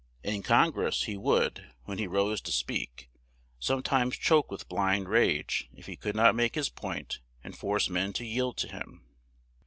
In Con gress he would, when he rose to speak, some times choke with blind rage if he could not make his point and force men to yield to him.